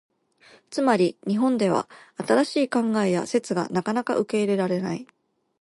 つまり、日本では新しい考えや説がなかなか受け入れられない。